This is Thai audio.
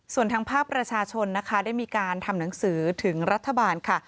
ส่วนทางภาคประชาชนนะคะได้มีการทำหนังสือถึงรัฐบาลค่ะ